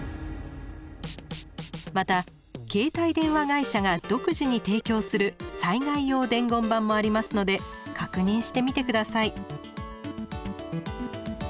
また携帯電話会社が独自に提供する災害用伝言板もありますので確認してみて下さい。